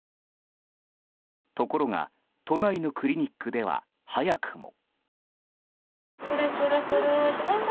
ところが都内のクリニックでは早くも。